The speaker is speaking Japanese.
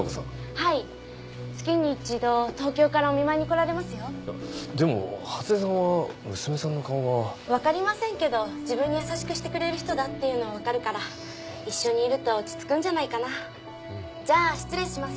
はい月に一度東京からお見舞いに来られますよでも初枝さんは娘さんの顔は分かりませんけど自分に優しくしてくれる人だっていうのは分かるから一緒にいると落ち着くんじゃないかなじゃあ失礼します